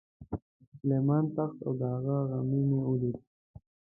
د سلیمان تخت او د هغه غمی مې ولید.